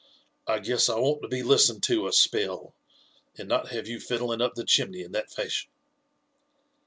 ''I guess I want to be listened to a spell, and not have you fiddling up the chimney in that fashion."